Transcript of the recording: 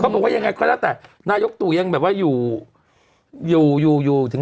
สองห้าหกห้าตอนนั้นกลางปีอ๋อแต่นั้นมันคือหลังกลางปีอ่ะอืม